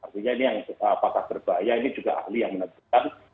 artinya ini yang apakah berbahaya ini juga ahli yang menentukan